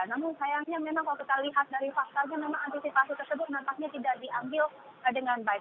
namun sayangnya memang kalau kita lihat dari faktanya memang antisipasi tersebut nampaknya tidak diambil dengan baik